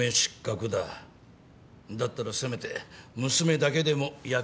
だったらせめて娘だけでも役に立て。